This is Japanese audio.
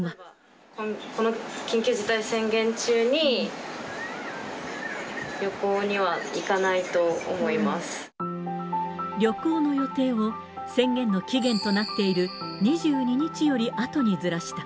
この緊急事態宣言中に、旅行の予定を宣言の期限となっている、２２日よりあとにずらした。